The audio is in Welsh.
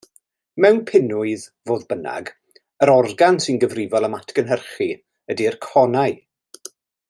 Mewn pinwydd, fodd bynnag, yr organ sy'n gyfrifol am atgynhyrchu ydy'r conau.